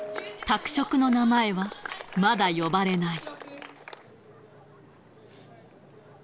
拓殖の名前は、まだ呼ばれない。